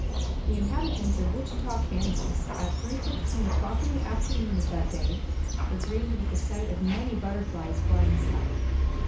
The inhabitants of Wichita, Kansas, at 3:15 o'clock in the afternoon of that day were greeted with the sight of many Butterflies flying south.